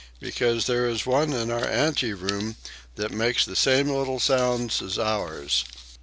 Because there is one in our anteroom that makes the same little sounds as ours."